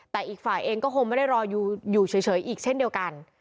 แต่อีกฝ่ายเองก็คงไม่ได้รออยู่เฉยอีกเช่นเดียวกัน